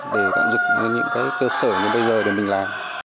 để tạo dựng những cơ sở như bây giờ để mình làm